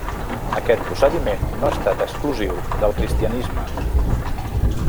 Aquest procediment no ha estat exclusiu del cristianisme.